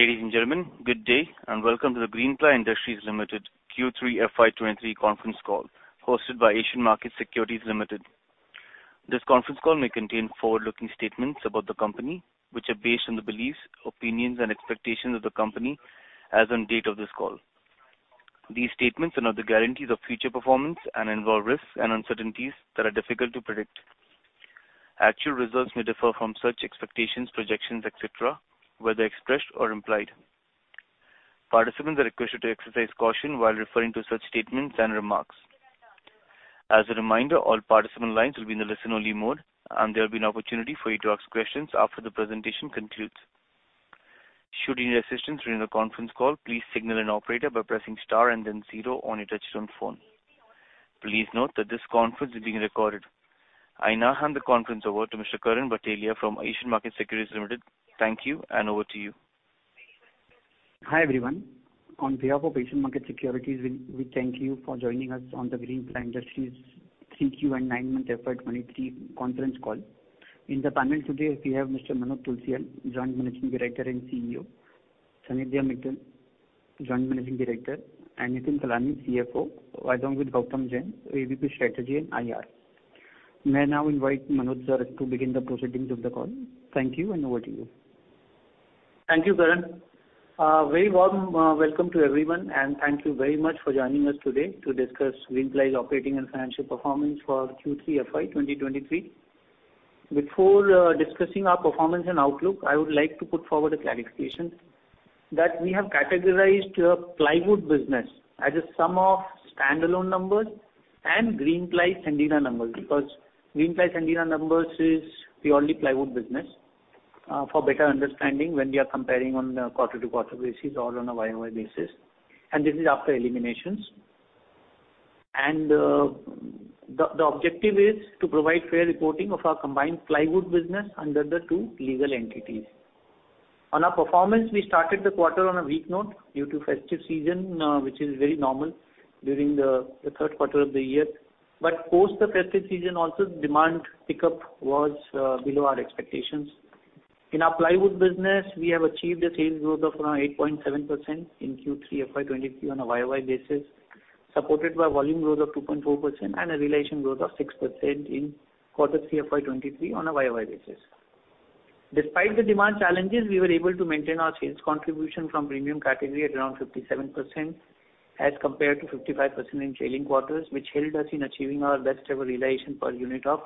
Ladies and gentlemen, good day, and welcome to the Greenply Industries Limited Q3 FY 2023 conference call, hosted by Asian Markets Securities Limited. This conference call may contain forward-looking statements about the company, which are based on the beliefs, opinions, and expectations of the company as on date of this call. These statements are not the guarantees of future performance and involve risks and uncertainties that are difficult to predict. Actual results may differ from such expectations, projections, et cetera, whether expressed or implied. Participants are requested to exercise caution while referring to such statements and remarks. As a reminder, all participant lines will be in the listen-only mode, and there will be an opportunity for you to ask questions after the presentation concludes. Should you need assistance during the conference call, please signal an operator by pressing star and then zero on your touchtone phone. Please note that this conference is being recorded. I now hand the conference over to Mr. Karan Bhatelia from Asian Markets Securities Limited. Thank you, and over to you. Hi, everyone. On behalf of Asian Markets Securities, we thank you for joining us on the Greenply Industries 3Q and 9-month FY 2023 conference call. In the panel today, we have Mr. Manoj Tulsian, Joint Managing Director and CEO, Sanidhya Mittal, Joint Managing Director, and Nitin Kalani, CFO, along with Gautam Jain, AVP, Strategy and IR. May I now invite Manoj sir to begin the proceedings of the call. Thank you, and over to you. Thank you, Karan. Very warm welcome to everyone, and thank you very much for joining us today to discuss Greenply's operating and financial performance for Q3 FY 2023. Before discussing our performance and outlook, I would like to put forward a clarification that we have categorized plywood business as a sum of standalone numbers and Greenply Sandila numbers. Because Greenply Sandila numbers is purely plywood business for better understanding when we are comparing on a quarter-to-quarter basis or on a YoY basis, and this is after eliminations. The objective is to provide fair reporting of our combined plywood business under the two legal entities. On our performance, we started the quarter on a weak note due to festive season which is very normal during the third quarter of the year. But post the festive season also, demand pickup was below our expectations. In our plywood business, we have achieved a sales growth of around 8.7% in Q3 FY 2023 on a year-over-year basis, supported by volume growth of 2.4% and a realization growth of 6% in quarter three FY 2023 on a year-over-year basis. Despite the demand challenges, we were able to maintain our sales contribution from premium category at around 57% as compared to 55% in trailing quarters, which helped us in achieving our best ever realization per unit of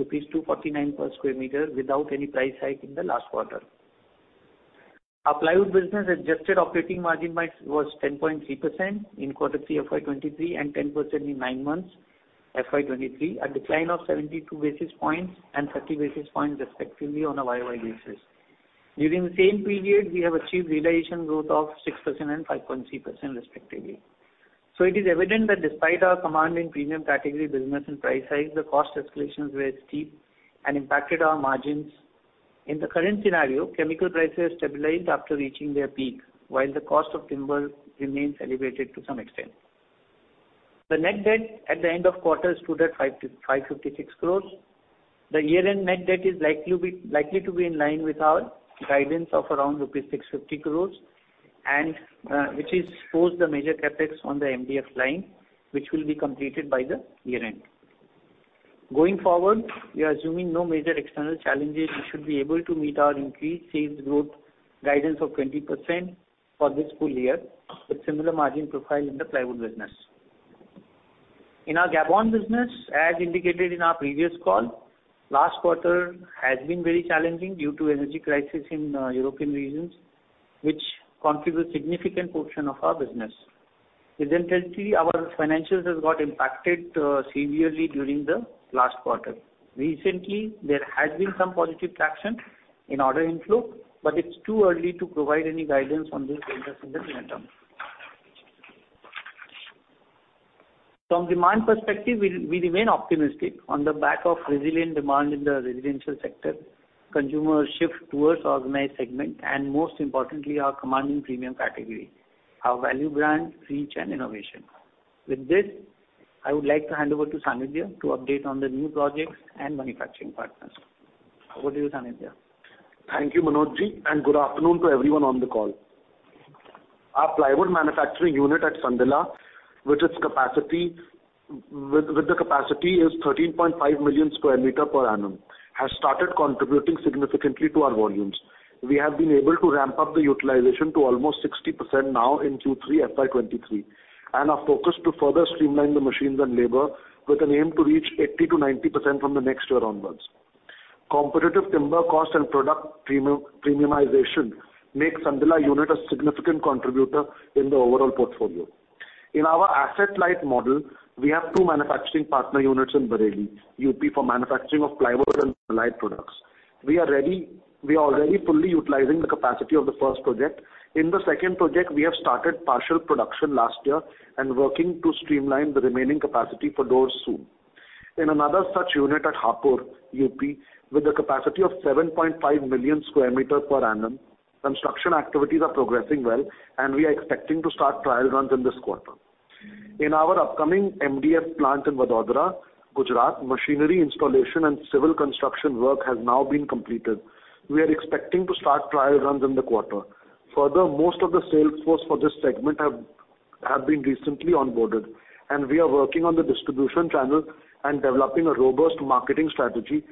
rupees 249 per square meter without any price hike in the last quarter. Our plywood business adjusted operating margin was 10.3% in quarter 3 FY 2023 and 10% in nine months FY 2023, a decline of 72 basis points and 30 basis points, respectively, on a Y-o-Y basis. During the same period, we have achieved realization growth of 6% and 5.3%, respectively. So it is evident that despite our command in premium category business and price hike, the cost escalations were steep and impacted our margins. In the current scenario, chemical prices have stabilized after reaching their peak, while the cost of timber remains elevated to some extent. The net debt at the end of quarter stood at 555-556 crores. The year-end net debt is likely to be, likely to be in line with our guidance of around rupees 650 crores, and which is post the major CapEx on the MDF line, which will be completed by the year-end. Going forward, we are assuming no major external challenges. We should be able to meet our increased sales growth guidance of 20% for this full year, with similar margin profile in the plywood business. In our Gabon business, as indicated in our previous call, last quarter has been very challenging due to energy crisis in European regions, which contribute significant portion of our business. Consequently, our financials has got impacted severely during the last quarter. Recently, there has been some positive traction in order inflow, but it's too early to provide any guidance on this interest in the near term. From demand perspective, we remain optimistic on the back of resilient demand in the residential sector, consumer shift towards organized segment, and most importantly, our command in premium category, our value brand, reach and innovation. With this, I would like to hand over to Sanidhya to update on the new projects and manufacturing partners. Over to you, Sanidhya. Thank you, Manoj ji, and good afternoon to everyone on the call. Our plywood manufacturing unit at Sandila, which, with its capacity is 13.5 million square meters per annum, has started contributing significantly to our volumes. We have been able to ramp up the utilization to almost 60% now in Q3 FY 2023, and are focused to further streamline the machines and labor with an aim to reach 80%-90% from the next year onwards. Competitive timber cost and product premiumization makes Sandila unit a significant contributor in the overall portfolio. In our asset-light model, we have two manufacturing partner units in Bareilly, UP, for manufacturing of plywood and allied products. We are already fully utilizing the capacity of the first project. In the second project, we have started partial production last year and working to streamline the remaining capacity for doors soon. In another such unit at Hapur, UP, with a capacity of 7.5 million square meters per annum, construction activities are progressing well, and we are expecting to start trial runs in this quarter. In our upcoming MDF plant in Vadodara, Gujarat, machinery installation and civil construction work has now been completed. We are expecting to start trial runs in the quarter. Further, most of the sales force for this segment have been recently onboarded, and we are working on the distribution channel and developing a robust marketing strategy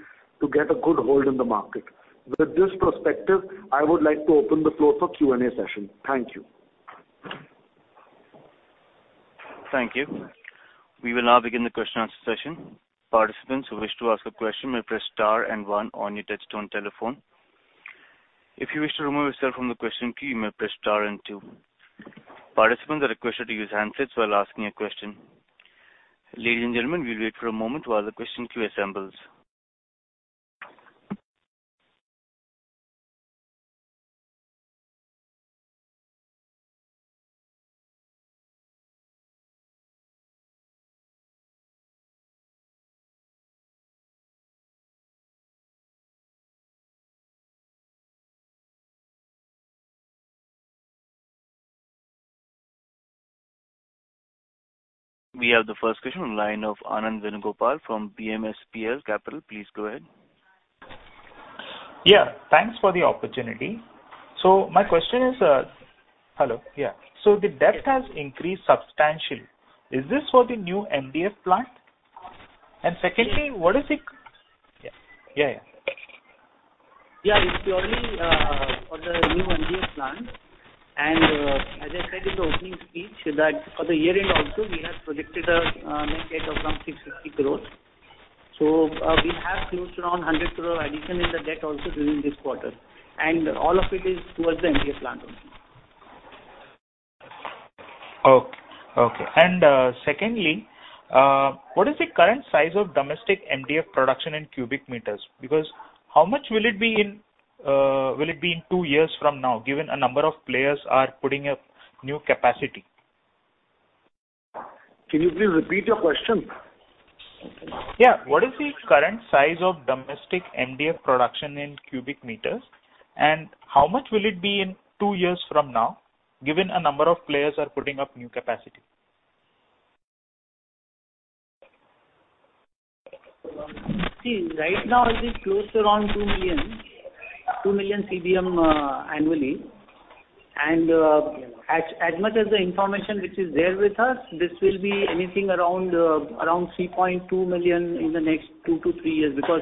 to get a good hold in the market. With this perspective, I would like to open the floor for Q&A session. Thank you. Thank you. We will now begin the question answer session. Participants who wish to ask a question may press star and one on your touchtone telephone. If you wish to remove yourself from the question queue, you may press star and two. Participants are requested to use handsets while asking a question. Ladies and gentlemen, we'll wait for a moment while the question queue assembles. We have the first question on line of Anand Venugopal from BMSPL Capital. Please go ahead. Yeah, thanks for the opportunity. So my question is... Hello. Yeah. So the debt has increased substantially. Is this for the new MDF plant? And secondly, what is the-- Yeah, yeah, yeah. Yeah, it's purely for the new MDF plant, and as I said in the opening speech, that for the year end also, we have projected a net debt of around 650 crore. So, we have used around 100 crore addition in the debt also during this quarter, and all of it is towards the MDF plant only. Okay, okay. And, secondly, what is the current size of domestic MDF production in cubic meters? Because, how much will it be in two years from now, given a number of players are putting up new capacity? Can you please repeat your question? Yeah. What is the current size of domestic MDF production in cubic meters, and how much will it be in two years from now, given a number of players are putting up new capacity? See, right now, it is closer on 2 million, 2 million CBM annually. As much as the information which is there with us, this will be anything around 3.2 million in the next two to three years, because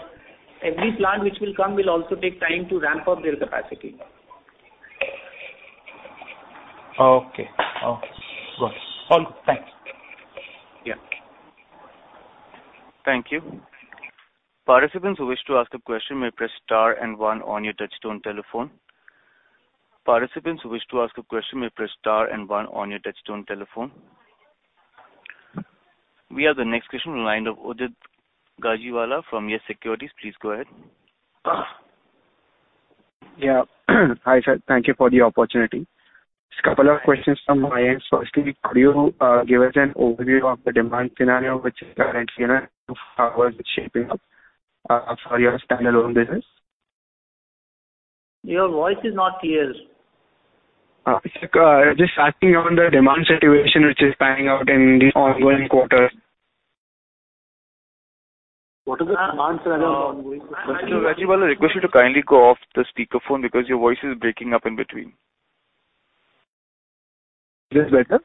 every plant which will come will also take time to ramp up their capacity. Okay. Okay, got it. All good. Thanks. Yeah. Thank you. Participants who wish to ask a question may press star and one on your touchtone telephone. Participants who wish to ask a question, may press star and one on your touchtone telephone. We have the next question on the line of Udit Gajiwala from Yes Securities. Please go ahead. Yeah. Hi, sir. Thank you for the opportunity. Just a couple of questions from my end. Firstly, could you give us an overview of the demand scenario which is currently in and how is it shaping up for your standalone business? Your voice is not clear. Just acting on the demand situation, which is panning out in the ongoing quarter. What is the demand scenario in ongoing quarter? Mr. Gajiwala, I request you to kindly go off the speaker phone because your voice is breaking up in between. Is this better?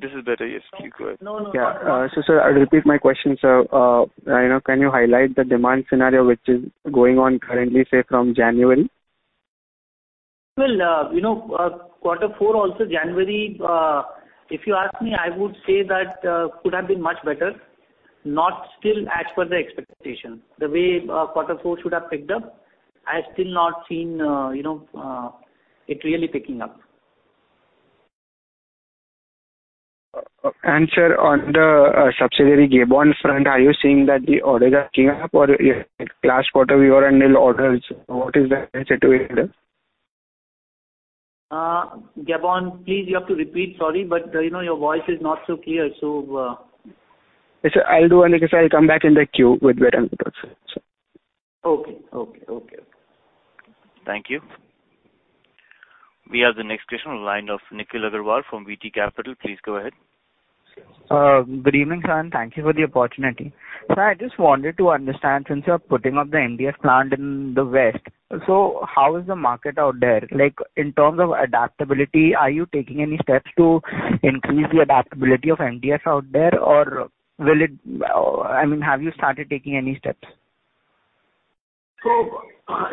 This is better, yes. Please go ahead. Yeah. So, sir, I'll repeat my question. So, you know, can you highlight the demand scenario which is going on currently, say, from January? Well, you know, quarter four, also January, if you ask me, I would say that could have been much better, not still as per the expectation. The way quarter four should have picked up, I've still not seen, you know, it really picking up. Sir, on the.subsidiary Gabon front, are you seeing that the orders are coming up or last quarter were annual orders? What is the current situation? Gabon, please, you have to repeat. Sorry, but, you know, your voice is not so clear, so. Yes, sir, I'll come back in the queue with better network, sir. Okay, okay, okay. Thank you. We have the next question on the line of Nikhil Agarwal from VT Capital. Please go ahead. Good evening, sir, and thank you for the opportunity. Sir, I just wanted to understand, since you are putting up the MDF plant in the west, so how is the market out there? Like, in terms of adaptability, are you taking any steps to increase the adaptability of MDF out there, or will it, I mean, have you started taking any steps? So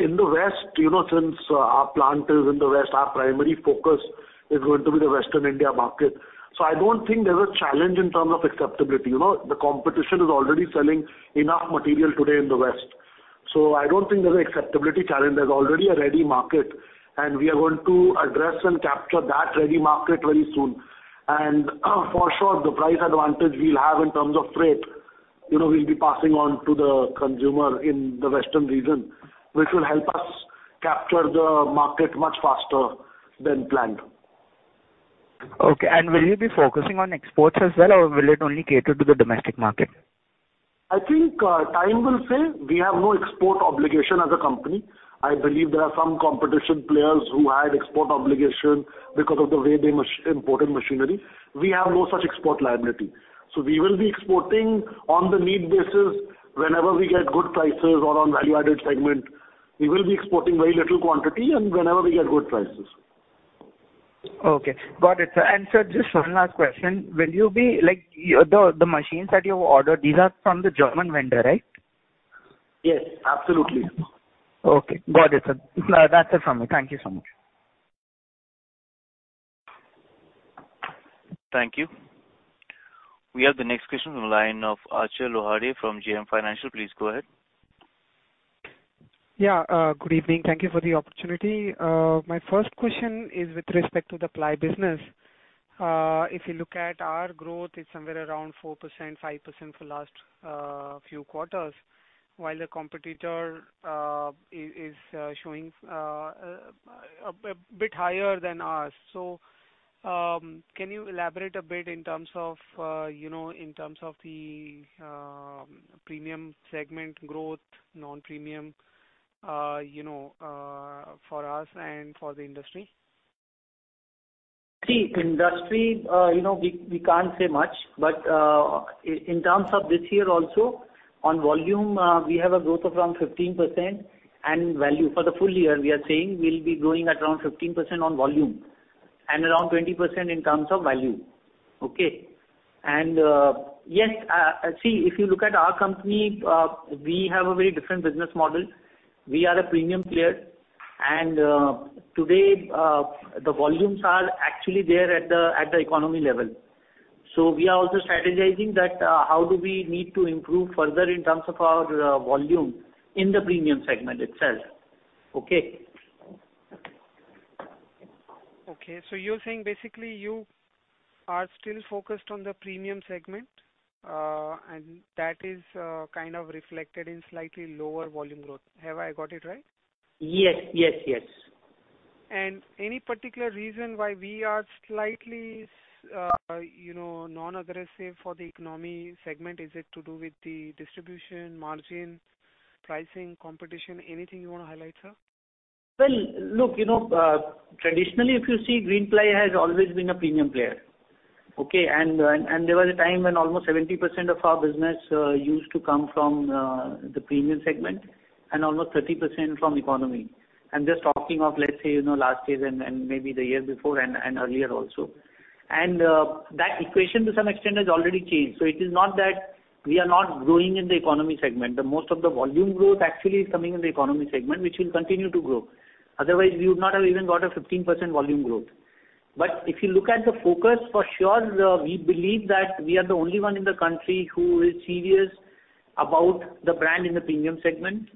in the west, you know, since our plant is in the west, our primary focus is going to be the Western India market. So I don't think there's a challenge in terms of acceptability. You know, the competition is already selling enough material today in the west. So I don't think there's an acceptability challenge. There's already a ready market, and we are going to address and capture that ready market very soon. And for sure, the price advantage we'll have in terms of freight, you know, we'll be passing on to the consumer in the western region, which will help us capture the market much faster than planned. Okay. Will you be focusing on exports as well, or will it only cater to the domestic market?... I think, time will say we have no export obligation as a company. I believe there are some competition players who had export obligation because of the way they imported machinery. We have no such export liability, so we will be exporting on the need basis whenever we get good prices or on value-added segment. We will be exporting very little quantity and whenever we get good prices. Okay, got it, sir. Sir, just one last question: Will you be, like, the machines that you've ordered, these are from the German vendor, right? Yes, absolutely. Okay, got it, sir. That's it from me. Thank you so much. Thank you. We have the next question on the line of Achal Lohade from JM Financial. Please go ahead. Yeah, good evening. Thank you for the opportunity. My first question is with respect to the ply business. If you look at our growth, it's somewhere around 4%, 5% for last few quarters, while the competitor is showing a bit higher than us. So, can you elaborate a bit in terms of, you know, in terms of the premium segment growth, non-premium, you know, for us and for the industry? See, industry, you know, we can't say much, but in terms of this year also, on volume, we have a growth of around 15%, and value. For the full year, we are saying we'll be growing at around 15% on volume and around 20% in terms of value. Okay? Yes, see, if you look at our company, we have a very different business model. We are a premium player, and today, the volumes are actually there at the economy level. So we are also strategizing that, how do we need to improve further in terms of our volume in the premium segment itself. Okay. Okay, so you're saying basically you are still focused on the premium segment, and that is kind of reflected in slightly lower volume growth? Have I got it right? Yes, yes, yes. Any particular reason why we are slightly, you know, non-aggressive for the economy segment? Is it to do with the distribution, margin, pricing, competition, anything you want to highlight, sir? Well, look, you know, traditionally, if you see, Greenply has always been a premium player, okay? And, and there was a time when almost 70% of our business used to come from the premium segment and almost 30% from economy. I'm just talking of, let's say, you know, last year and, and maybe the year before and, and earlier also. And, that equation to some extent has already changed. So it is not that we are not growing in the economy segment. The most of the volume growth actually is coming in the economy segment, which will continue to grow. Otherwise, we would not have even got a 15% volume growth. But if you look at the focus, for sure, we believe that we are the only one in the country who is serious about the brand in the premium segment,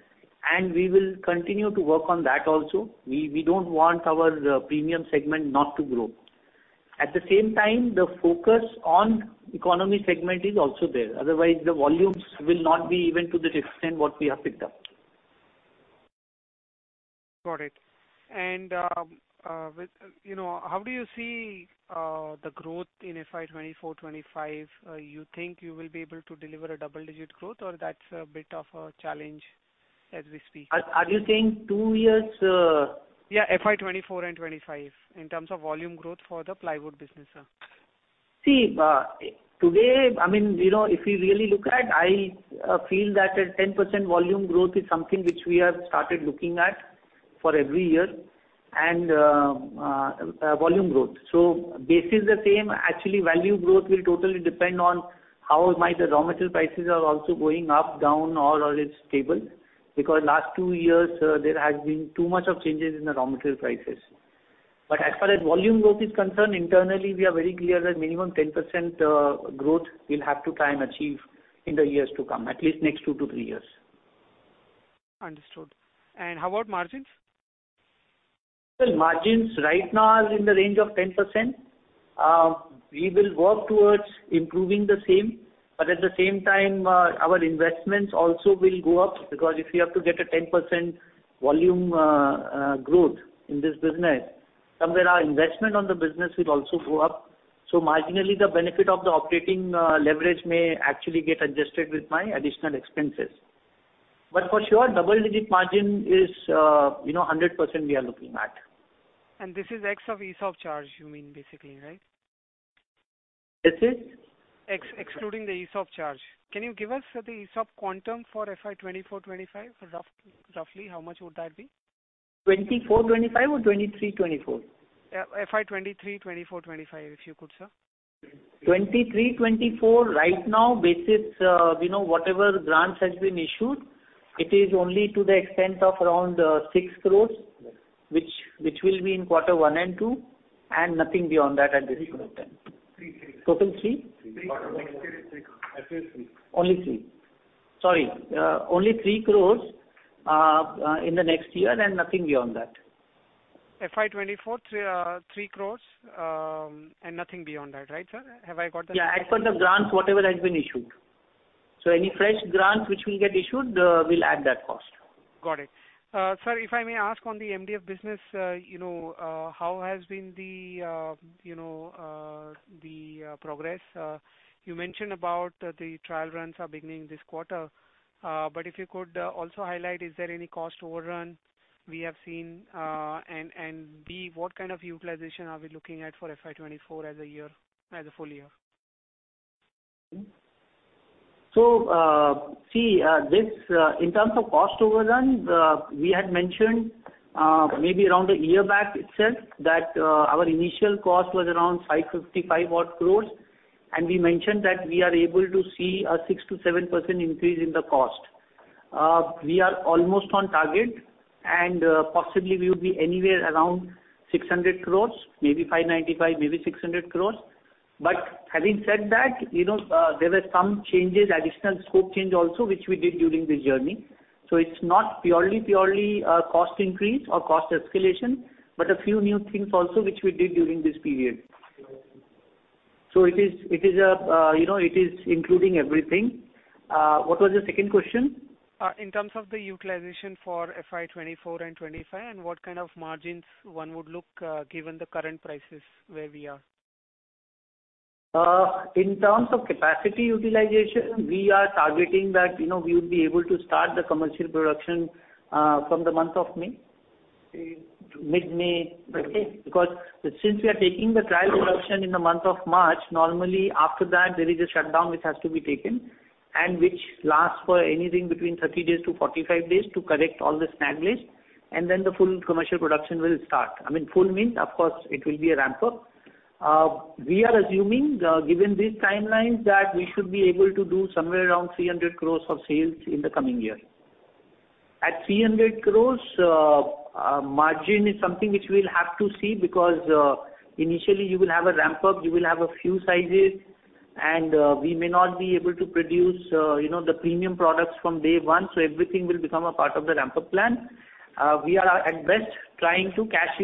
and we will continue to work on that also. We, we don't want our, premium segment not to grow. At the same time, the focus on economy segment is also there. Otherwise, the volumes will not be even to the extent what we have picked up. Got it. And, you know, how do you see the growth in FY 24-25? You think you will be able to deliver a double-digit growth, or that's a bit of a challenge as we speak? Are you saying two years? Yeah, FY 2024 and 2025, in terms of volume growth for the plywood business, sir. See, today, I mean, you know, if you really look at, I, feel that a 10% volume growth is something which we have started looking at for every year, and, volume growth. So base is the same. Actually, value growth will totally depend on how might the raw material prices are also going up, down, or, or it's stable, because last 2 years, there has been too much of changes in the raw material prices. But as far as volume growth is concerned, internally, we are very clear that minimum 10% growth we'll have to try and achieve in the years to come, at least next 2-3 years. Understood. How about margins? Well, margins right now are in the range of 10%. We will work towards improving the same, but at the same time, our investments also will go up, because if we have to get a 10% volume growth in this business, somewhere our investment on the business will also go up. So marginally, the benefit of the operating leverage may actually get adjusted with my additional expenses. But for sure, double-digit margin is, you know, 100% we are looking at. This is expense of ESOP charge, you mean, basically, right? This is? Excluding the ESOP charge. Can you give us the ESOP quantum for FY 2024-2025? Roughly, how much would that be? 2024, 2025 or 2023, 2024? Yeah, FY 2023, 2024, 2025, if you could, sir. 2023, 2024, right now, basis, you know, whatever grants has been issued, it is only to the extent of around 6 crore, which will be in quarter one and two, and nothing beyond that at this point in time. Three, three. Total three? Three. Only 3. Sorry, only 3 crore in the next year, and nothing beyond that. FY 2024, 3 crore, 3 crore, and nothing beyond that, right, sir? Have I got that? Yeah, as per the grants, whatever has been issued. So any fresh grant which will get issued, we'll add that cost.... Got it. Sir, if I may ask on the MDF business, you know, how has been the progress? You mentioned about the trial runs are beginning this quarter, but if you could also highlight, is there any cost overrun we have seen? And what kind of utilization are we looking at for FY 2024 as a year, as a full year? So, see, this, in terms of cost overrun, we had mentioned, maybe around a year back itself, that, our initial cost was around 555-odd crores, and we mentioned that we are able to see a 6%-7% increase in the cost. We are almost on target, and, possibly we will be anywhere around 600 crores, maybe 595, maybe 600 crores. But having said that, you know, there were some changes, additional scope change also, which we did during this journey. So it's not purely, purely, cost increase or cost escalation, but a few new things also, which we did during this period. So it is, it is, you know, it is including everything. What was the second question? In terms of the utilization for FY 2024 and 2025, and what kind of margins one would look, given the current prices where we are? In terms of capacity utilization, we are targeting that, you know, we would be able to start the commercial production, from the month of May, mid-May. Because since we are taking the trial production in the month of March, normally after that, there is a shutdown which has to be taken and which lasts for anything between 30 days to 45 days to correct all the snags, and then the full commercial production will start. I mean, full means, of course, it will be a ramp-up. We are assuming, given these timelines, that we should be able to do somewhere around 300 crore of sales in the coming year. At 300 crore, margin is something which we'll have to see, because, initially you will have a ramp-up, you will have a few sizes, and, we may not be able to produce, you know, the premium products from day one, so everything will become a part of the ramp-up plan. We are at best trying to cash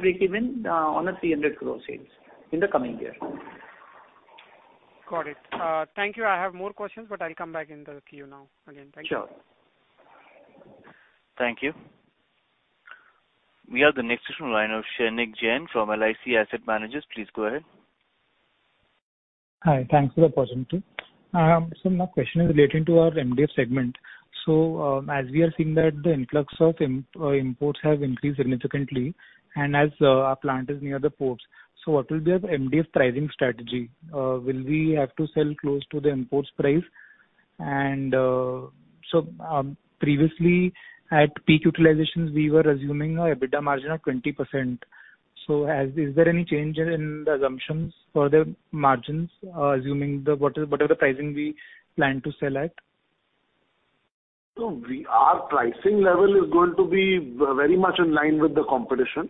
breakeven, on a 300 crore sales in the coming year. Got it. Thank you. I have more questions, but I'll come back in the queue now. Again, thank you. Sure. Thank you. We have the next question from line of Shrenik Jain from LIC Asset Management. Please go ahead. Hi, thanks for the opportunity. So my question is relating to our MDF segment. So, as we are seeing that the influx of imports have increased significantly and as, our plant is near the ports, so what will be the MDF pricing strategy? Will we have to sell close to the imports price? And, so, previously, at peak utilizations, we were assuming a EBITDA margin of 20%. So is there any change in the assumptions for the margins, assuming the, what are, what are the pricing we plan to sell at? So we, our pricing level is going to be very much in line with the competition.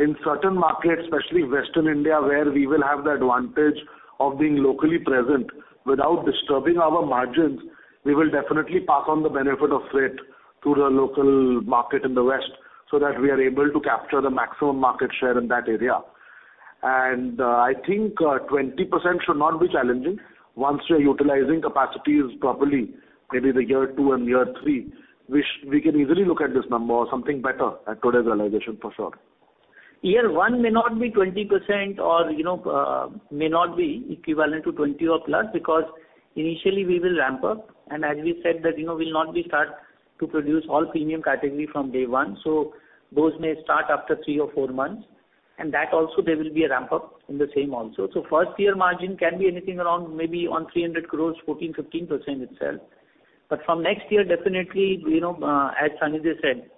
In certain markets, especially Western India, where we will have the advantage of being locally present without disturbing our margins, we will definitely pass on the benefit of freight to the local market in the West, so that we are able to capture the maximum market share in that area. I think, 20% should not be challenging once we are utilizing capacities properly, maybe year 2 and year 3, which we can easily look at this number or something better at today's realization, for sure. Year one may not be 20% or, you know, may not be equivalent to 20 or plus, because initially we will ramp up, and as we said, that, you know, we'll not be start to produce all premium category from day one, so those may start after three or four months, and that also there will be a ramp-up in the same also. So first year margin can be anything around maybe on 300 crore, 14%-15% itself. But from next year, definitely, you know, as Sanidhya said,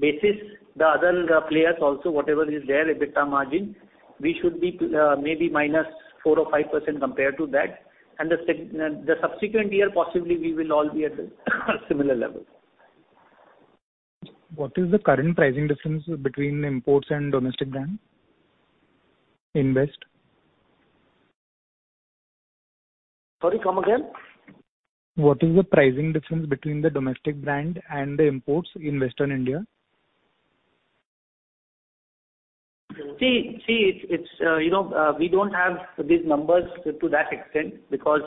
basis the other players also, whatever is their EBITDA margin, we should be maybe -4% or -5% compared to that, and the subsequent year, possibly we will all be at the similar level. What is the current pricing difference between imports and domestic brand in West? Sorry, come again. What is the pricing difference between the domestic brand and the imports in Western India? See, it's, you know, we don't have these numbers to that extent because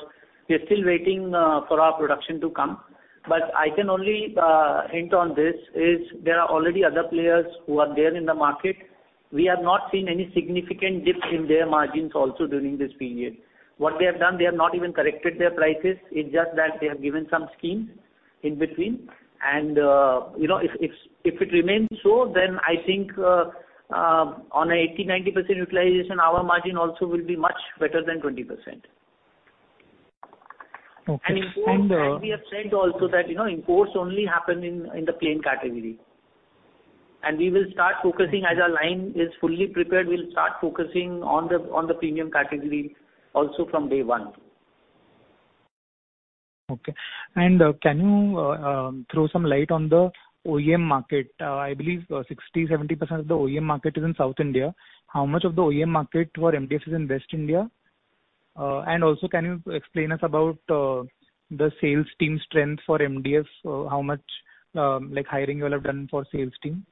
we are still waiting for our production to come. But I can only hint on this, is there are already other players who are there in the market. We have not seen any significant dip in their margins also during this period. What they have done, they have not even corrected their prices, it's just that they have given some schemes in between. And, you know, if it remains so, then I think, on a 80%-90% utilization, our margin also will be much better than 20%. Okay, and We have said also that, you know, imports only happen in the plain category. We will start focusing as our line is fully prepared; we'll start focusing on the premium category also from day one. Okay. And, can you throw some light on the OEM market? I believe 60%-70% of the OEM market is in South India. How much of the OEM market for MDF is in West India? And also, can you explain us about the sales team strength for MDF? How much, like, hiring you all have done for sales team?...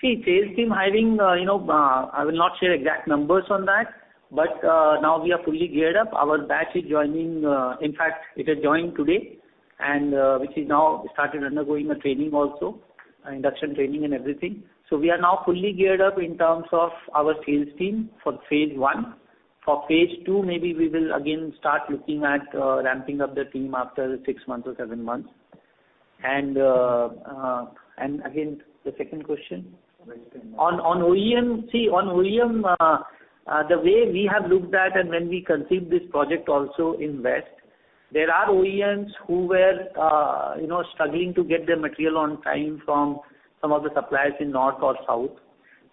See, sales team hiring, you know, I will not share exact numbers on that, but, now we are fully geared up. Our batch is joining, in fact, it has joined today, and, which is now started undergoing a training also, induction training and everything. So we are now fully geared up in terms of our sales team for phase one. For phase two, maybe we will again start looking at, ramping up the team after six months or seven months. And, and again, the second question? On OEM, see, on OEM, the way we have looked at and when we conceived this project also in West, there are OEMs who were, you know, struggling to get their material on time from some of the suppliers in North or South.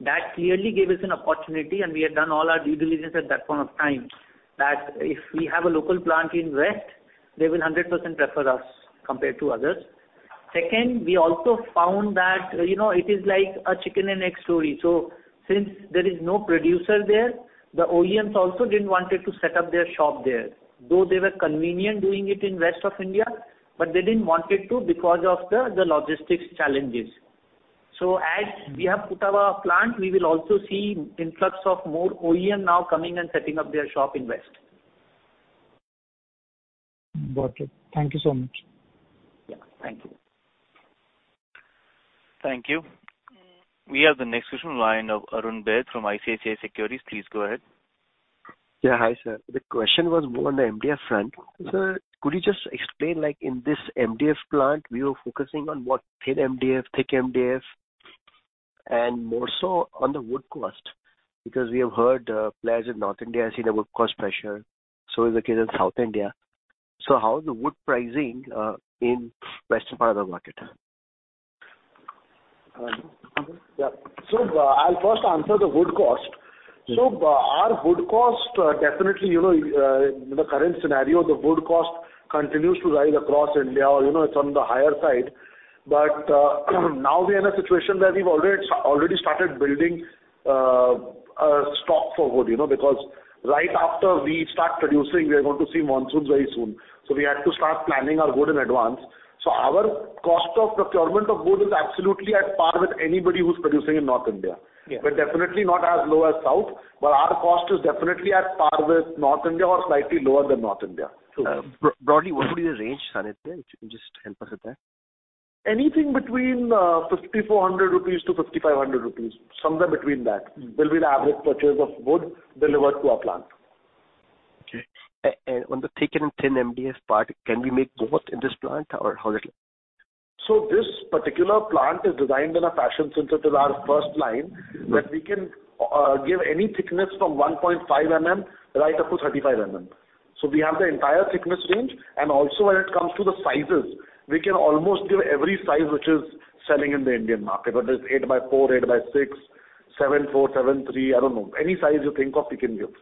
That clearly gave us an opportunity, and we had done all our due diligence at that point of time, that if we have a local plant in West, they will 100% prefer us compared to others. Second, we also found that, you know, it is like a chicken and egg story. So since there is no producer there, the OEMs also didn't wanted to set up their shop there, though they were convenient doing it in West of India, but they didn't want it to because of the logistics challenges. So as we have put our plant, we will also see influx of more OEM now coming and setting up their shop in West. Got it. Thank you so much. Yeah, thank you. Thank you. We have the next question in line of Arun Baid from ICICI Securities. Please go ahead. Yeah, hi, sir. The question was more on the MDF front. Sir, could you just explain, like, in this MDF plant, we were focusing on what thin MDF, thick MDF, and more so on the wood cost, because we have heard, players in North India are seeing a wood cost pressure, so is the case in South India. So how is the wood pricing in western part of the market? Yeah. So I'll first answer the wood cost. So our wood cost, definitely, you know, in the current scenario, the wood cost continues to rise across India, you know, it's on the higher side. But, now we are in a situation where we've already started building a stock for wood, you know, because right after we start producing, we are going to see monsoons very soon. So we had to start planning our wood in advance. So our cost of procurement of wood is absolutely at par with anybody who's producing in North India. Yeah. Definitely not as low as South, but our cost is definitely at par with North India or slightly lower than North India. True. Broadly, what would be the range, Sanidhya, if you can just help us with that? Anything between 5,400-5,500 rupees, somewhere between that, will be the average purchase of wood delivered to our plant. Okay. And on the thick and thin MDF part, can we make both in this plant or how is it? So this particular plant is designed in a fashion, since it is our first line, that we can give any thickness from 1.5 mm right up to 35 mm. So we have the entire thickness range, and also when it comes to the sizes, we can almost give every size which is selling in the Indian market, whether it's 8 by 4, 8 by 6, 7 by 4, 7 by 3, I don't know. Any size you think of, we can give.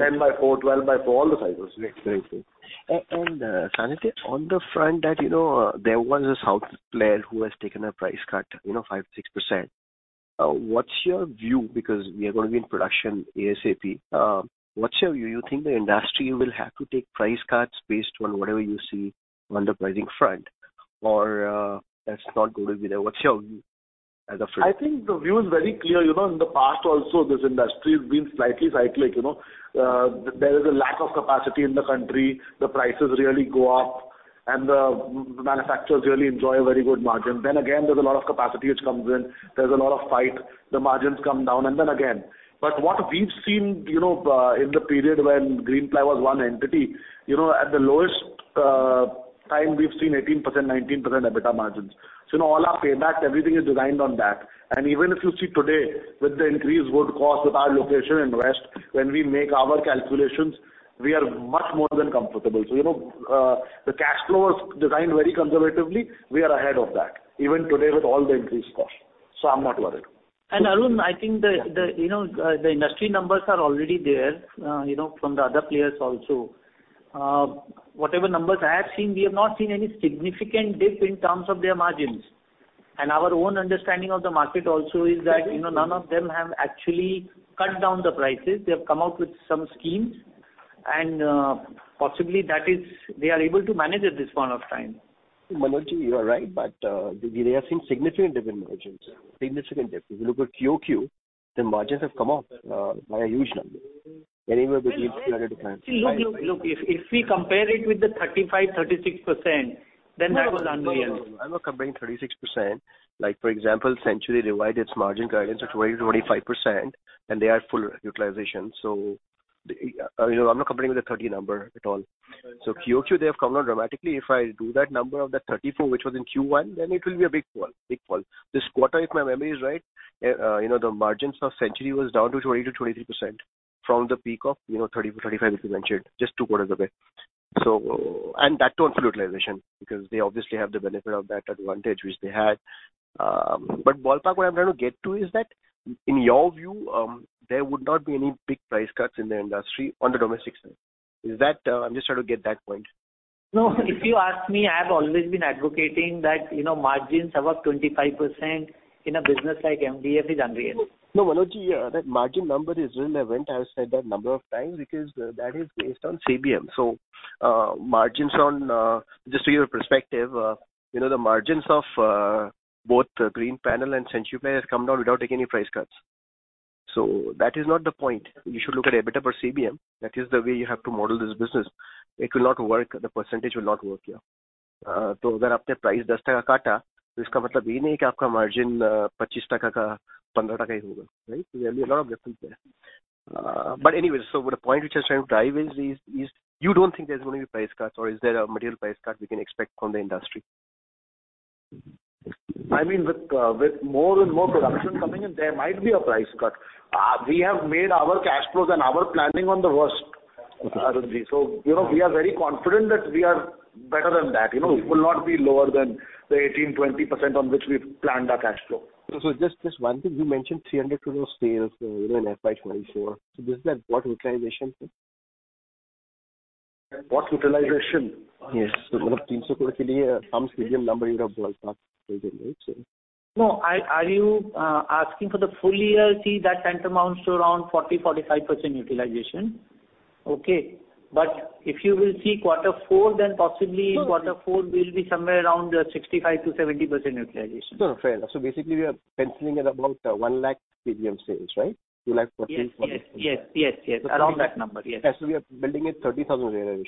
10 by 4, 12 by 4, all the sizes. Very good. Samet, on the front that, you know, there was a South player who has taken a price cut, you know, 5%-6%. What's your view? Because we are going to be in production ASAP. What's your view? You think the industry will have to take price cuts based on whatever you see on the pricing front, or that's not going to be there. What's your view as a firm? I think the view is very clear. You know, in the past also, this industry has been slightly cyclic, you know. There is a lack of capacity in the country, the prices really go up, and the manufacturers really enjoy a very good margin. Then again, there's a lot of capacity which comes in, there's a lot of fight, the margins come down, and then again. But what we've seen, you know, in the period when Greenply was one entity, you know, at the lowest time, we've seen 18%, 19% EBITDA margins. So, you know, all our payback, everything is designed on that. And even if you see today, with the increased wood cost, with our location in West, when we make our calculations, we are much more than comfortable. So, you know, the cash flow was designed very conservatively. We are ahead of that, even today with all the increased costs. I'm not worried. Arun, I think you know, the industry numbers are already there, you know, from the other players also. Whatever numbers I have seen, we have not seen any significant dip in terms of their margins. And our own understanding of the market also is that, you know, none of them have actually cut down the prices. They have come out with some schemes, and possibly that is they are able to manage at this point of time. Manoj, you are right, but, we have seen significant dip in margins, significant dip. If you look at QOQ, the margins have come up by a huge number, anywhere between 200-5. Look, look, look, if we compare it with the 35%-36%, then that was unrealistic. I'm not comparing 36%. Like, for example, Century revised its margin guidance to 20-25%, and they are full utilization. So, you know, I'm not comparing with the 30 number at all. So QOQ, they have come down dramatically. If I do that number of that 34, which was in Q1, then it will be a big fall, big fall. This quarter, if my memory is right, you know, the margins for Century was down to 20-23% from the peak of, you know, 30-35, which you mentioned, just two quarters away. So. And that's also utilization, because they obviously have the benefit of that advantage which they had. But ballpark, what I'm trying to get to is that in your view, there would not be any big price cuts in the industry on the domestic side. Is that, I'm just trying to get that point. No, if you ask me, I have always been advocating that, you know, margins above 25% in a business like MDF is unrealistic. No, Manoj, yeah, that margin number is really relevant. I have said that number of times because that is based on CBM. Margins on, just to give you a perspective, you know, the margins of both the Greenpanel and Century Ply has come down without taking any price cuts. So that is not the point. You should look at EBITDA per CBM. That is the way you have to model this business. It will not work, the percentage will not work here. So if you have cut the price by INR 10, it does not mean that your margin will be INR 15 or INR 20, right? There will be a lot of difference there. But anyway, so the point which I was trying to drive is you don't think there's going to be price cuts or is there a material price cut we can expect from the industry? I mean, with, with more and more production coming in, there might be a price cut. We have made our cash flows and our planning on the worst, Arunji. So, you know, we are very confident that we are better than that. You know, it will not be lower than the 18%-20% on which we've planned our cash flow. So just one thing. You mentioned 300 crore sales in FY 2024. So does that got utilization? What utilization? Yes. So for 300 crore, some CBM number you have ballpark for it, right? No, are you asking for the full year? See, that amounts to around 40-45% utilization. Okay. But if you will see quarter four, then possibly quarter four will be somewhere around 65%-70% utilization. No, fair. So basically, we are penciling at about 100,000 CBM sales, right? 200,000- Yes, yes, yes. Yes, yes, around that number. Yes. So we are building a 30,000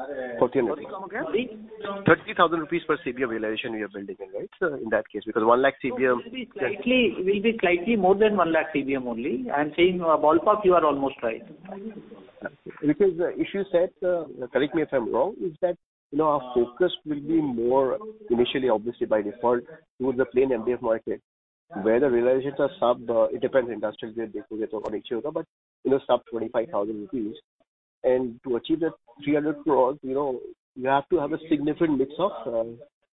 realization. 30,000 rupees per CBM realization we are building in, right? So in that case, because 100,000 CBM- Will be slightly, will be slightly more than 100,000 CBM only. I'm saying, ballpark, you are almost right. Because if you said, correct me if I'm wrong, is that, you know, our focus will be more initially, obviously, by default, towards the plain MDF market, where the realizations are sub twenty-five thousand rupees. It depends on the industrial grade, but, you know, sub 25,000 rupees. And to achieve that 300 crore, you know, you have to have a significant mix of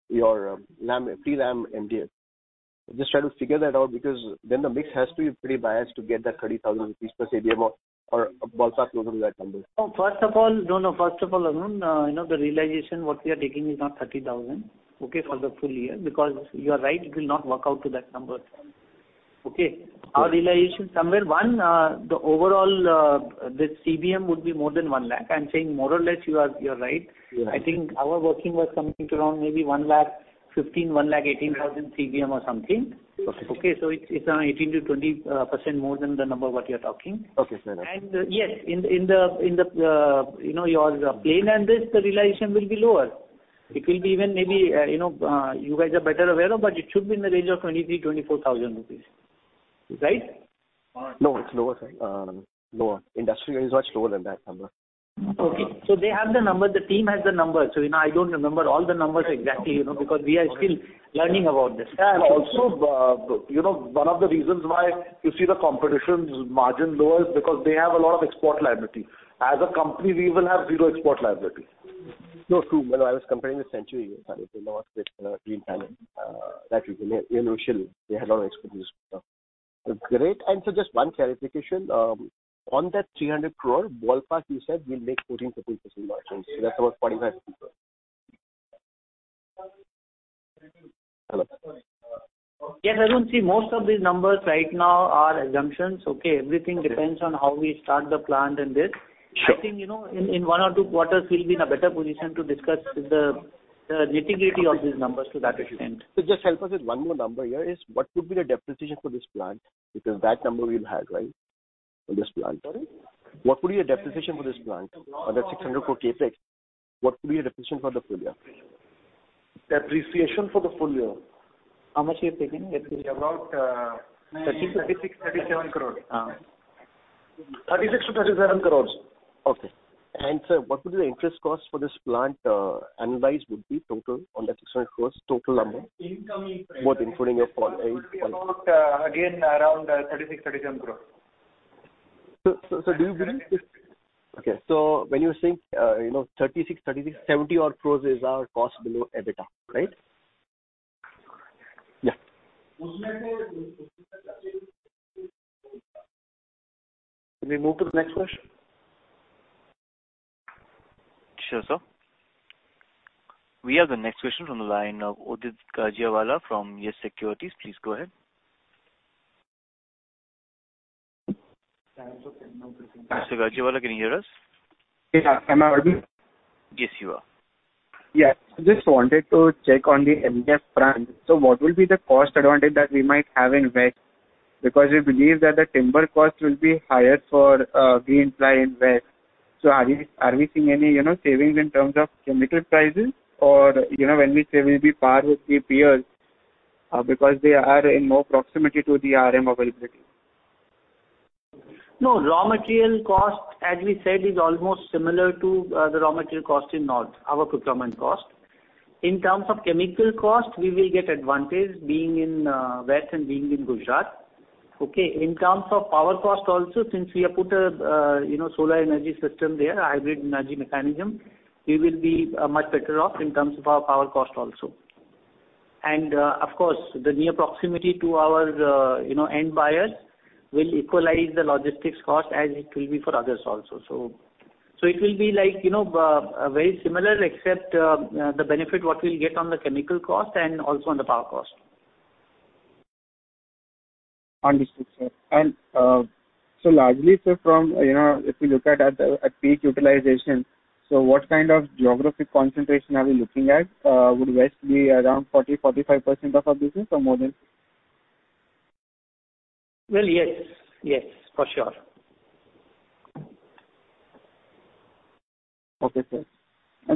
your lam, pre-lam MDF. Just trying to figure that out, because then the mix has to be pretty biased to get that 30,000 rupees per CBM or a ballpark closer to that number. Oh, first of all, no, no, first of all, Arun, you know, the realization what we are taking is not 30,000, okay, for the full year, because you are right, it will not work out to that number. Okay? Our realization somewhere, one, the overall, the CBM would be more than 100,000. I'm saying more or less, you are, you're right. Yes. I think our working was something around maybe 115,000-118,000 CBM or something. Okay. Okay, so it's around 18-20% more than the number what you're talking. Okay, fair enough. Yes, in the, you know, your plan and this, the realization will be lower. It will be even maybe, you know, you guys are better aware of, but it should be in the range of 23,000-24,000 rupees. Right? No, it's lower, sir. Lower. Industrial is much lower than that number. Okay. So they have the number, the team has the number. So, you know, I don't remember all the numbers exactly, you know, because we are still learning about this. Also, you know, one of the reasons why you see the competition's margin lower is because they have a lot of export liability. As a company, we will have zero export liability. No, true. When I was comparing the Century, you know what, with Greenpanel, that initially, they had a lot of expertise. Great. So just one clarification, on that 300 crore ballpark, you said we'll make 14%-15% margins. That's about 45. Hello? Yes, Arun, see, most of these numbers right now are assumptions, okay? Okay. Everything depends on how we start the plant and this. Sure. I think, you know, in one or two quarters, we'll be in a better position to discuss the nitty-gritty of these numbers to that extent. So, just help us with one more number here is what would be the depreciation for this plant? Because that number we'll have, right, for this plant. Sorry? What would be your depreciation for this plant on that 600 crore CapEx? What would be your depreciation for the full year? Depreciation for the full year? How much you're taking? 36 crore-37 crore. 36 crore-37 crore. Okay. And sir, what would be the interest cost for this plant, annualized would be total on that 600 crore, total number? Income- Both including your... Would be about, again, around 36-37 crores. So do you believe if... Okay, so when you're saying, you know, 36, 36, 70-odd crores is our cost below EBITDA, right? Yeah. Can we move to the next question? Sure, sir. We have the next question from the line of Udit Gajiwala from Yes Securities. Please go ahead. Mr. Gajiwala, can you hear us? Yes, sir. Can I hear me? Yes, you are. Yeah, I just wanted to check on the MDF front. So what will be the cost advantage that we might have in West? Because we believe that the timber cost will be higher for Greenply in West. So are we seeing any, you know, savings in terms of chemical prices or, you know, when we say maybe par with the peers, because they are in more proximity to the RM availability. No, raw material cost, as we said, is almost similar to the raw material cost in North, our procurement cost. In terms of chemical cost, we will get advantage being in West and being in Gujarat. Okay, in terms of power cost also, since we have put a you know solar energy system there, a hybrid energy mechanism, we will be much better off in terms of our power cost also. And, of course, the near proximity to our you know end buyers will equalize the logistics cost as it will be for others also. So, it will be like, you know, very similar, except the benefit what we'll get on the chemical cost and also on the power cost. ...Understood, sir. And, so largely, so from, you know, if you look at, at, at peak utilization, so what kind of geographic concentration are we looking at? Would West be around 40%-45% of our business or more than? Well, yes. Yes, for sure. Okay, sir.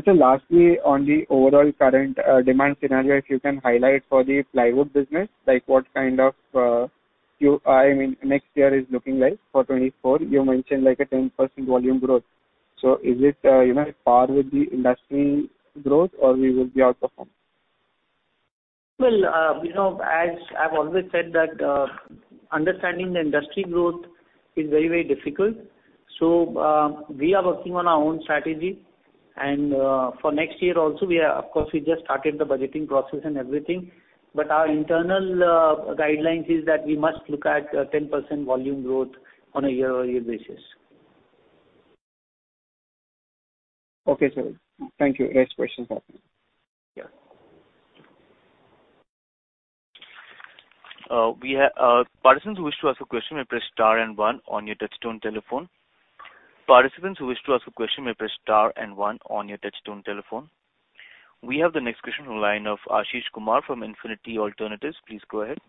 So lastly, on the overall current demand scenario, if you can highlight for the plywood business, like what kind of you—I mean, next year is looking like for 2024. You mentioned like a 10% volume growth. So is it, you know, par with the industry growth or we will be outperform? Well, you know, as I've always said, that, understanding the industry growth is very, very difficult. So, we are working on our own strategy, and, for next year also, we are, of course, we just started the budgeting process and everything, but our internal, guidelines is that we must look at, 10% volume growth on a year-over-year basis. Okay, sir. Thank you. Next question. Yeah. We have participants who wish to ask a question may press star and one on your touch-tone telephone. Participants who wish to ask a question may press star and one on your touch-tone telephone. We have the next question on line of Ashish Kumar from Infinity Alternatives. Please go ahead.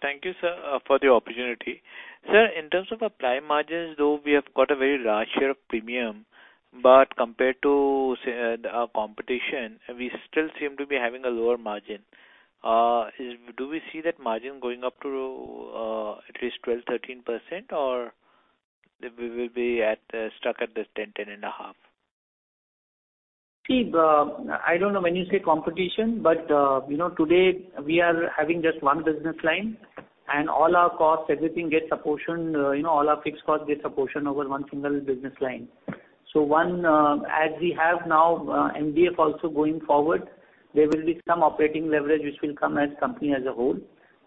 Thank you, sir, for the opportunity. Sir, in terms of our ply margins, though, we have got a very large share of premium, but compared to, say, the competition, we still seem to be having a lower margin. Do we see that margin going up to, at least 12%-13%, or we will be at, stuck at this 10-10.5%? See, I don't know when you say competition, but, you know, today we are having just one business line, and all our costs, everything gets a portion, you know, all our fixed costs gets a portion over one single business line. So one, as we have now, MDF also going forward, there will be some operating leverage which will come as company as a whole.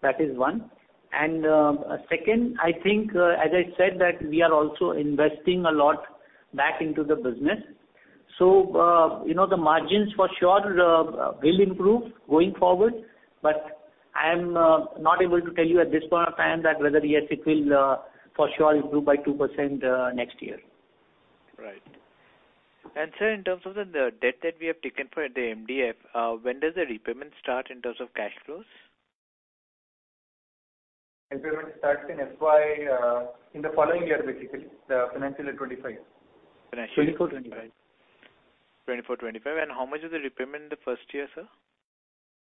That is one. And, second, I think, as I said, that we are also investing a lot back into the business. So, you know, the margins for sure, will improve going forward, but I am, not able to tell you at this point of time that whether, yes, it will, for sure improve by 2%, next year. Right. And, sir, in terms of the debt that we have taken for the MDF, when does the repayment start in terms of cash flows? Repayment starts in FY, in the following year, basically, the financial year 2025. Financial year. Twenty-four, twenty-five. 24, 25. How much is the repayment in the first year, sir?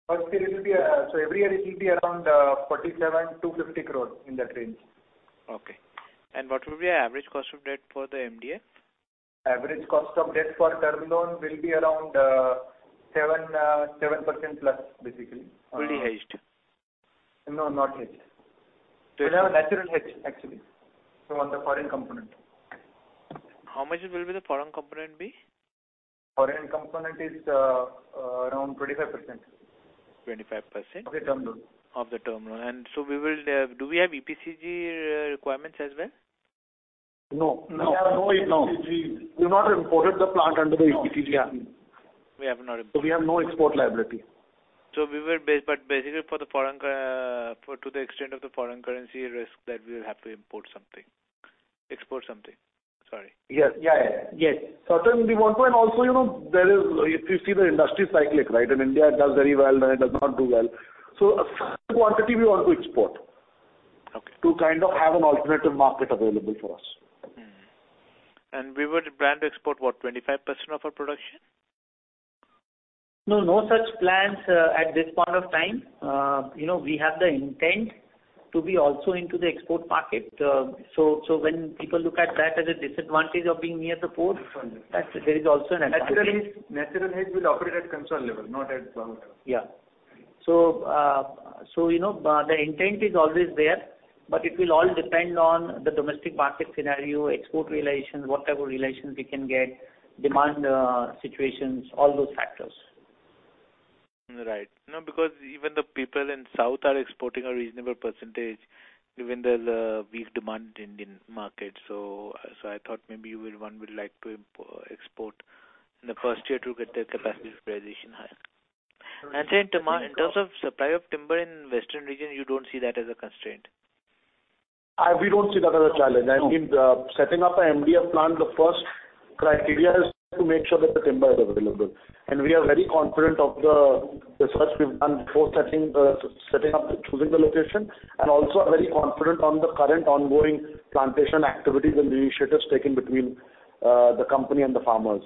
First year, it will be, so every year it will be around 47-50 crore, in that range. Okay. What will be our average cost of debt for the MDF? Average cost of debt for term loan will be around 7.7% plus, basically. Fully hedged? No, not hedged. We have a natural hedge, actually, so on the foreign component. How much will the foreign component be? Foreign component is around 25%. Twenty-five percent. Of the term loan. Of the term loan. And so we will, do we have EPCG requirements as well? No. No. We have no EPCG. We've not imported the plant under the EPCG Act. We have not imported. We have no export liability. So we were, but basically for the foreign currency risk, to the extent of the foreign currency risk, that we will have to import something. Export something, sorry. Yes. Yeah, yeah. Yes. Certainly, we want to, and also, you know, there is, if you see the industry cyclic, right? And India does very well, then it does not do well. So a certain quantity we want to export- Okay. to kind of have an alternative market available for us. Mm-hmm. And we would plan to export, what, 25% of our production? No, no such plans, at this point of time. You know, we have the intent to be also into the export market. So, so when people look at that as a disadvantage of being near the port, there is also an advantage. Natural hedge, natural hedge will operate at concern level, not at... Yeah. So, you know, the intent is always there, but it will all depend on the domestic market scenario, export relations, what type of relations we can get, demand, situations, all those factors. Right. No, because even the people in South are exporting a reasonable percentage, even though the weak demand in Indian market. So, I thought maybe you will—one would like to import—export in the first year to get the capacity utilization high. And, sir, in terms of supply of timber in western region, you don't see that as a constraint? We don't see that as a challenge. I mean, setting up an MDF plant, the first criteria is to make sure that the timber is available. And we are very confident of the research we've done before setting up and choosing the location, and also are very confident on the current ongoing plantation activities and the initiatives taken between the company and the farmers.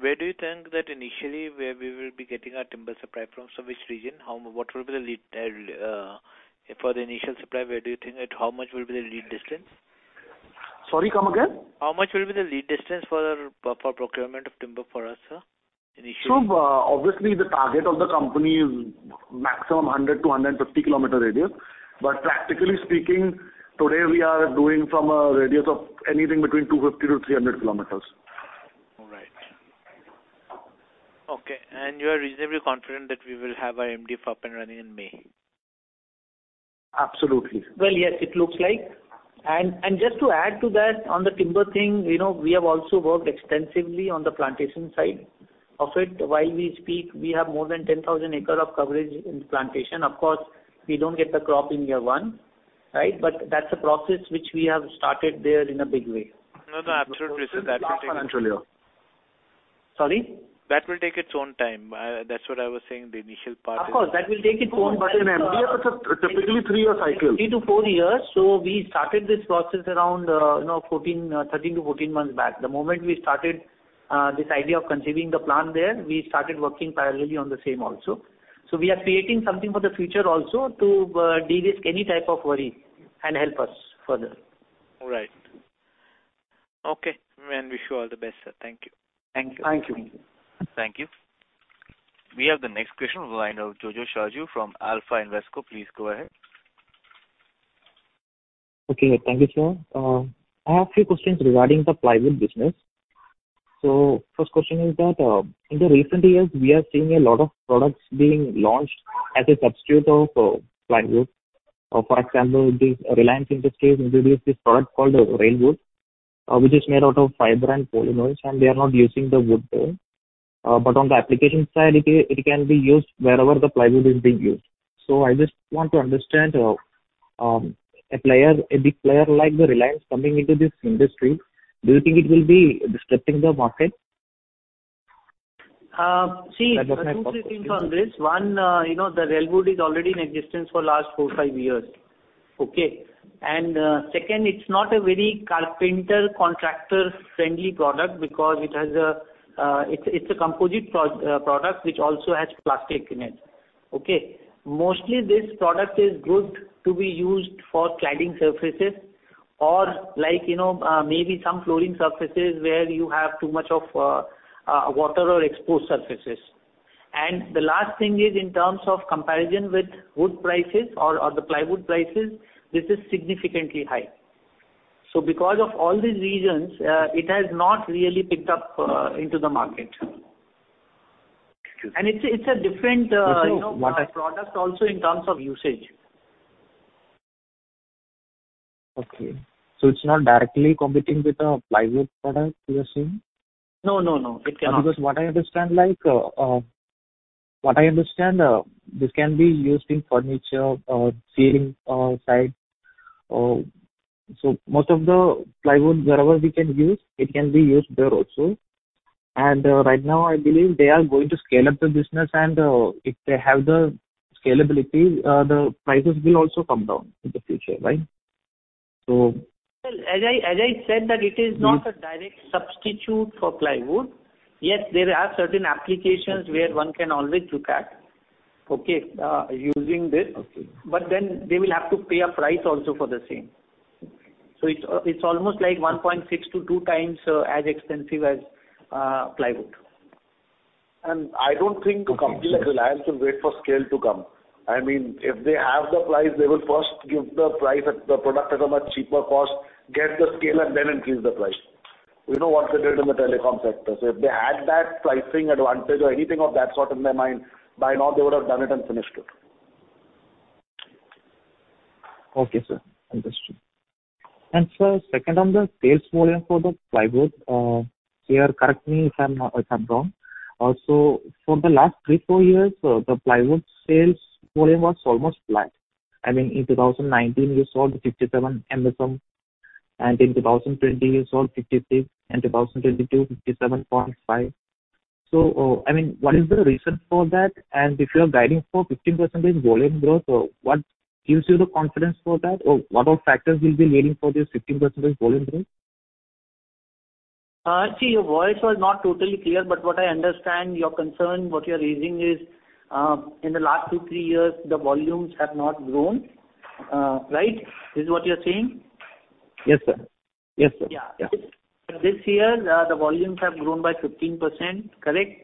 Where do you think that initially, where we will be getting our timber supply from? So which region? How—what will be the lead for the initial supply, where do you think, and how much will be the lead distance? Sorry, come again? How much will be the lead distance for procurement of timber for us, sir, initially? So, obviously, the target of the company is maximum 100-150 km radius. But practically speaking, today we are doing from a radius of anything between 250-300 km. All right. Okay, and you are reasonably confident that we will have our MDF up and running in May?... Absolutely. Well, yes, it looks like. And just to add to that, on the timber thing, you know, we have also worked extensively on the plantation side of it. While we speak, we have more than 10,000 acres of coverage in plantation. Of course, we don't get the crop in year one, right? But that's a process which we have started there in a big way. No, no, absolutely, sir. Sorry? That will take its own time. That's what I was saying, the initial part- Of course, that will take its own time. But in MDF, it's a typically three-year cycle. 3-4 years. So we started this process around, you know, 13-14 months back. The moment we started, this idea of conceiving the plan there, we started working parallelly on the same also. So we are creating something for the future also to, de-risk any type of worry and help us further. All right. Okay, and wish you all the best, sir. Thank you. Thank you. Thank you. Thank you. We have the next question from Jojo Shaju from Alpha Invesco. Please go ahead. Okay, thank you, sir. I have a few questions regarding the plywood business. So first question is that, in the recent years, we are seeing a lot of products being launched as a substitute of plywood. For example, the Reliance Industries introduced this product called RelWood, which is made out of fiber and polymers, and they are not using the wood there. But on the application side, it can be used wherever the plywood is being used. So I just want to understand, a player, a big player like the Reliance coming into this industry, do you think it will be disrupting the market? See, two things on this. One, you know, the RelWood is already in existence for last 4-5 years. Okay? And second, it's not a very carpenter, contractor-friendly product because it has a, it's a composite product, which also has plastic in it, okay? Mostly this product is good to be used for cladding surfaces or like, you know, maybe some flooring surfaces where you have too much of water or exposed surfaces. And the last thing is in terms of comparison with wood prices or the plywood prices, this is significantly high. So because of all these reasons, it has not really picked up into the market. Thank you. It's a, it's a different, you know, product also in terms of usage. Okay. So it's .ot directly competing with the plywood product, you are saying? No, no, no, it cannot. Because what I understand, like, this can be used in furniture or ceiling, side, or... So most of the plywood, wherever we can use, it can be used there also. And, right now, I believe they are going to scale up the business, and, if they have the scalability, the prices will also come down in the future, right? So- Well, as I, as I said, that it is not a direct substitute for plywood. Yes, there are certain applications where one can always look at, okay, using this. Okay. But then they will have to pay a price also for the same. So it's almost like 1.6-2 times as expensive as plywood. And I don't think Reliance will wait for scale to come. I mean, if they have the price, they will first give the price at the product at a much cheaper cost, get the scale, and then increase the price. You know what they did in the telecom sector. So if they had that pricing advantage or anything of that sort in their mind, by now they would have done it and finished it. Okay, sir. Understood. And sir, second on the sales volume for the plywood, here, correct me if I'm wrong, so for the last three, four years, the plywood sales volume was almost flat. I mean, in 2019, you sold 57 MSM, and in 2020, you sold 56, and 2022, 57.5. So, I mean, what is the reason for that? And if you are guiding for 15% in volume growth, so what gives you the confidence for that? Or what are factors will be leading for this 15% volume growth? See, your voice was not totally clear, but what I understand, your concern, what you're raising is, in the last 2, 3 years, the volumes have not grown. Right? This is what you're saying? Yes, sir. Yes, sir. Yeah. Yeah. This year, the volumes have grown by 15%, correct?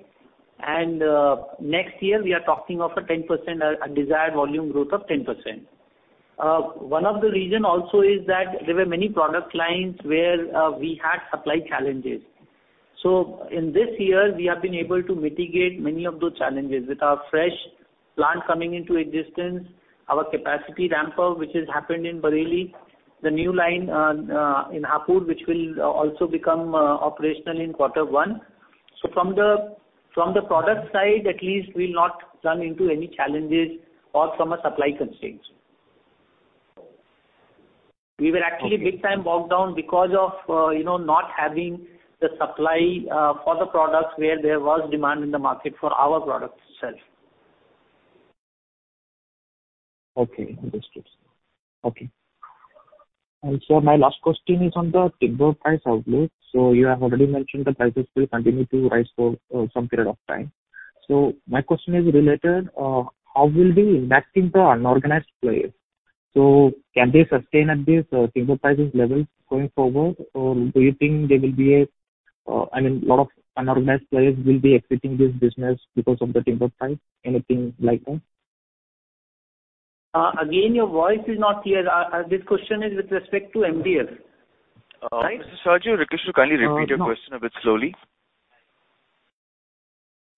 And, next year, we are talking of a 10%, a desired volume growth of 10%. One of the reason also is that there were many product lines where, we had supply challenges. So in this year, we have been able to mitigate many of those challenges with our fresh plant coming into existence, our capacity ramp-up, which has happened in Bareilly, the new line in Hapur, which will also become operational in quarter one. So from the product side, at least we'll not run into any challenges or from a supply constraints. Okay. We were actually big time bogged down because of, you know, not having the supply, for the products where there was demand in the market for our products itself. Okay, understood. Okay. And so my last question is on the timber price outlook. So you have already mentioned the prices will continue to rise for some period of time. So my question is related, how will we impact into unorganized players? So can they sustain at this timber prices level going forward? Or do you think there will be a, I mean, a lot of unorganized players will be exiting this business because of the timber price, anything like that? Again, your voice is not clear. This question is with respect to MDF, right? Mr. Shaju, could you kindly repeat your question a bit slowly?...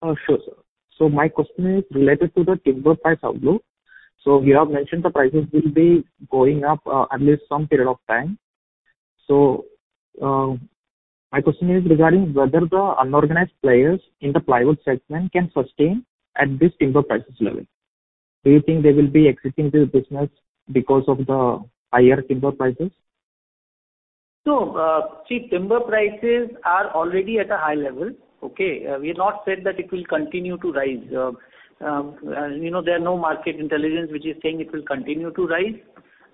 Sure, sir. So my question is related to the timber price outlook. So you have mentioned the prices will be going up, at least some period of time. So, my question is regarding whether the unorganized players in the plywood segment can sustain at this timber prices level. Do you think they will be exiting this business because of the higher timber prices? So, see, timber prices are already at a high level, okay? We have not said that it will continue to rise. You know, there are no market intelligence, which is saying it will continue to rise,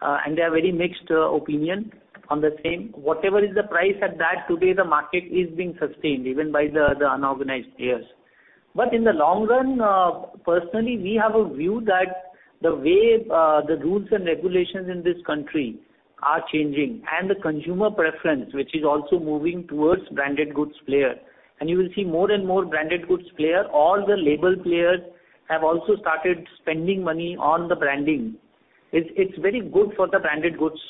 and there are very mixed opinion on the same. Whatever is the price at that, today, the market is being sustained even by the unorganized players. But in the long run, personally, we have a view that the way the rules and regulations in this country are changing, and the consumer preference, which is also moving towards branded goods player. And you will see more and more branded goods player, all the label players have also started spending money on the branding. It's very good for the branded goods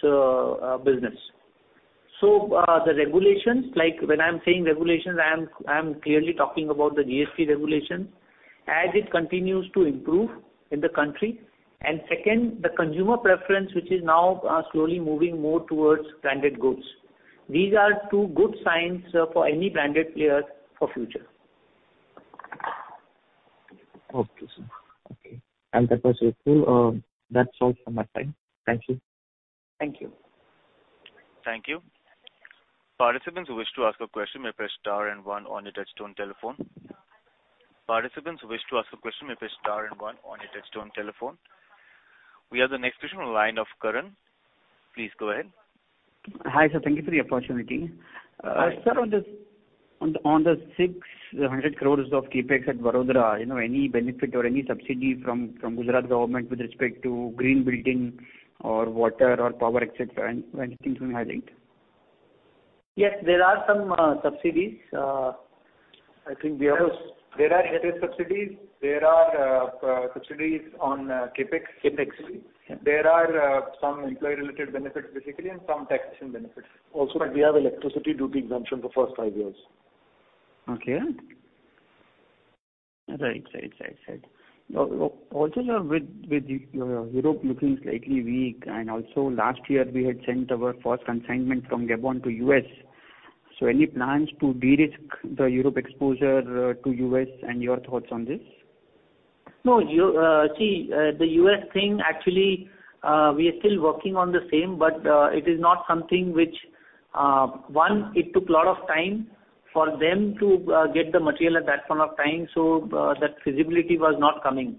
business. So, the regulations, like when I'm saying regulations, I am clearly talking about the GST regulations, as it continues to improve in the country. And second, the consumer preference, which is now, slowly moving more towards branded goods. These are two good signs for any branded player for future. Okay, sir. Okay, and that was useful. That's all from my time. Thank you. Thank you. Thank you. Participants who wish to ask a question may press star and one on your touchtone telephone. Participants who wish to ask a question may press star and one on your touchtone telephone. We have the next question on the line of Karan. Please go ahead. Hi, sir, thank you for the opportunity. Hi. Sir, on the 600 crore of CapEx at Vadodara, you know, any benefit or any subsidy from the Gujarat government with respect to green building or water or power, et cetera, and anything to highlight? Yes, there are some subsidies. I think we have- There are interest subsidies, there are subsidies on CapEx. CapEx. There are some employee-related benefits, basically, and some taxation benefits. Also, we have electricity duty exemption for first five years. Okay. Right, right, right, right. Also, sir, with Europe looking slightly weak, and also last year, we had sent our first consignment from Gabon to U.S. So any plans to de-risk the Europe exposure to U.S., and your thoughts on this? No, see, the U.S. thing, actually, we are still working on the same, but, it is not something which, it took a lot of time for them to get the material at that point of time, so, that feasibility was not coming.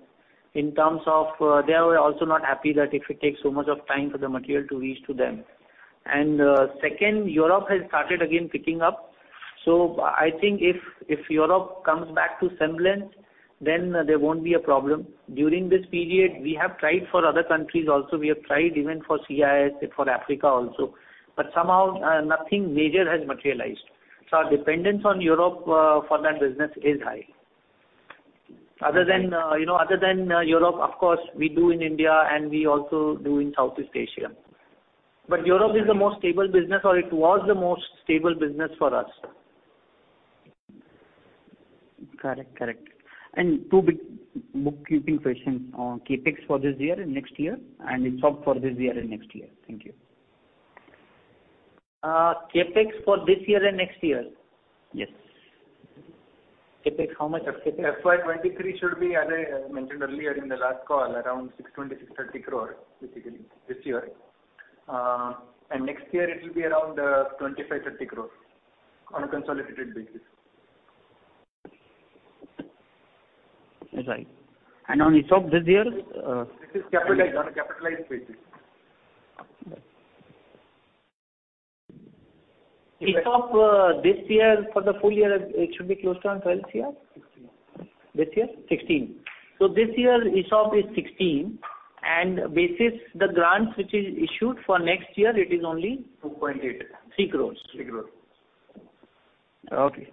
In terms of, they are also not happy that if it takes so much of time for the material to reach to them. And, second, Europe has started again picking up. So I think if Europe comes back to semblance, then there won't be a problem. During this period, we have tried for other countries also. We have tried even for CIS, for Africa also, but somehow, nothing major has materialized. So our dependence on Europe, for that business is high. Other than, you know, other than Europe, of course, we do in India, and we also do in Southeast Asia. But Europe is the most stable business, or it was the most stable business for us. Correct, correct. Two big bookkeeping questions on CapEx for this year and next year, and ESOP for this year and next year. Thank you. CapEx for this year and next year? Yes. CapEx, how much of CapEx? FY 2023 should be, as I mentioned earlier in the last call, around 620-630 crore, basically, this year. And next year it will be around 25-30 crore on a consolidated basis. Right. And on the ESOP this year, This is capitalized, on a capitalized basis. It's of this year, for the full year, it should be close to on 12 crore? Sixteen. This year? 16. So this year, ESOP is 16, and basis the grants, which is issued for next year, it is only- 2.8. Three crores. Three crores. Okay.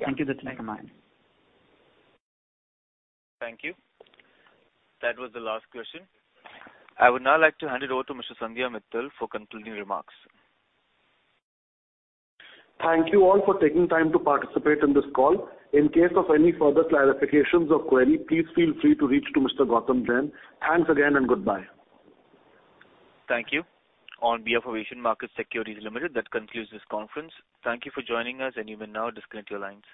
Thank you. That's mine. Thank you. That was the last question. I would now like to hand it over to Mr. Sanidhya Mittal for concluding remarks. Thank you all for taking time to participate in this call. In case of any further clarifications or query, please feel free to reach to Mr. Gautam Jain. Thanks again and goodbye. Thank you. On behalf of Asian Market Securities Limited, that concludes this conference. Thank you for joining us, and you may now disconnect your lines.